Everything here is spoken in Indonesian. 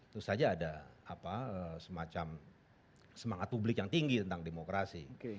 terus saja ada semacam semangat publik yang tinggi tentang demokrasi